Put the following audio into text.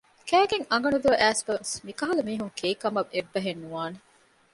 ކައިގެން އަނގަ ނުދޮވެ އައިސްފަވެސް މިކަހަލަ މީހުން ކެއިކަމަކަށް އެއްބަހެއް ނުވާނެ